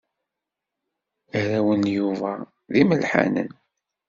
Arraw n Yuba d imelḥanen.